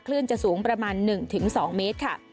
คลื่นจะสูงประมาณหนึ่งถึงสองเมตรค่ะ